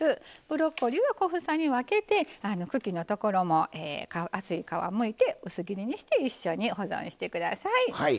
ブロッコリーは小房に分けて茎のところも厚い皮をむいて薄切りにして一緒に保存してください。